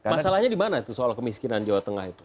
masalahnya di mana itu soal kemiskinan jawa tengah itu